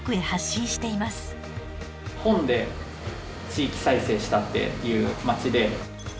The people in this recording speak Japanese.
本で地域再生したっていう街で。